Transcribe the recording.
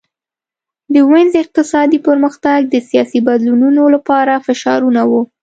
د وینز اقتصادي پرمختګ د سیاسي بدلونونو لپاره فشارونه وو